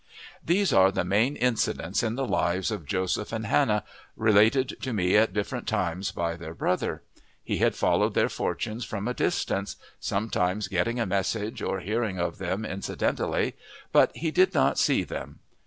These are the main incidents in the lives of Joseph and Hannah, related to me at different times by their brother; he had followed their fortunes from a distance, sometimes getting a message, or hearing of them incidentally, but he did not see them.